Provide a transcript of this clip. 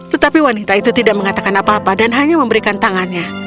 tetapi wanita itu tidak mengatakan apa apa dan hanya memberikan tangannya